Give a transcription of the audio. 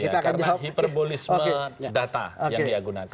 karena hiperbolisme data yang dia gunakan